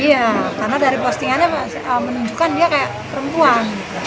iya karena dari postingannya menunjukkan dia kayak perempuan